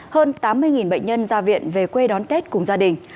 hơn tám mươi bệnh nhân ra viện về quê đón tết cùng gia đình